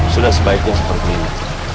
sudah sebaiknya seperti ini